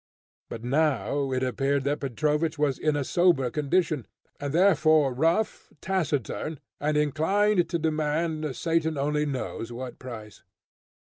But now it appeared that Petrovich was in a sober condition, and therefore rough, taciturn, and inclined to demand, Satan only knows what price.